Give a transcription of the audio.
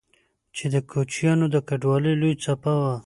چې د کوچيانو د کډوالۍ لويه څپه وه